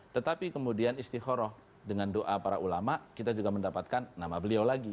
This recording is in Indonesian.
tetapi kemudian istiqoroh dengan doa para ulama kita juga mendapatkan nama beliau lagi